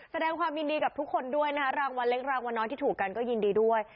แสดงความยินดีกับทุกคนด้วยนะคะรางวัลเล็กรางวัลน้อยที่ถูกกันก็ยินดีด้วย